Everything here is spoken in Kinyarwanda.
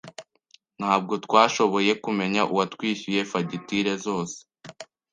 Ntabwo twashoboye kumenya uwatwishyuye fagitire zose.